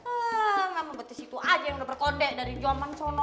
emang betis itu aja yang udah berkonde dari jaman sono